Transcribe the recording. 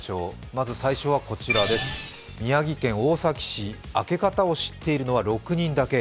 まず最初はこちらです、宮城県大崎市、開け方を知っているのは６人だけ。